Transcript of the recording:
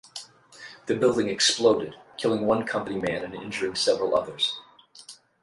The building exploded, killing one company man and injuring several others.